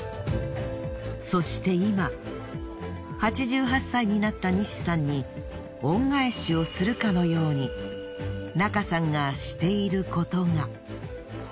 そして今８８歳になった西さんに恩返しをするかのように中さんがしていることが。